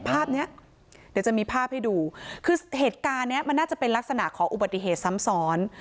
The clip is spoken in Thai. ภาพเนี้ยเดี๋ยวจะมีภาพให้ดูคือเหตุการณ์เนี้ยมันน่าจะเป็นลักษณะของอุบัติเหตุซ้ำซ้อน